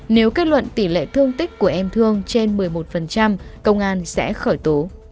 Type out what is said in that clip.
nếu kết luận tỷ lệ thương tích của em thương trên một mươi một công an sẽ khởi tố